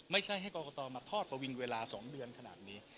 ไม่ใช่ให้กรกตมาทอดประวิงเวลา๒เดือนขนาดนี้